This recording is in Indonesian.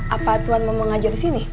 apa tuhan mau mengajar disini